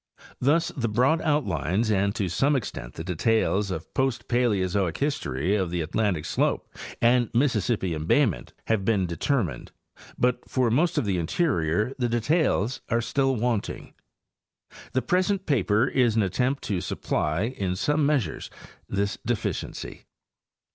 Thus the broad outlines and to some extent the details of post Paleozoic history of the Atlantic slope and Mississippi embay ment have been determined, but for most of the interior the details are still wanting. The present paper is an attempt to supply in some measure this deficiency.